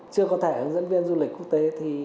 chưa có thẻ hướng dẫn viên du lịch quốc tế